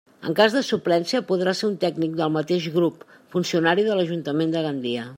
En cas de suplència, podrà ser un tècnic del mateix grup, funcionari de l'Ajuntament de Gandia.